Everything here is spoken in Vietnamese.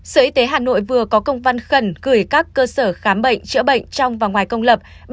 sở y tế hà nội vừa có công văn khẩn gửi các cơ sở khám bệnh chữa bệnh trong và ngoài công lập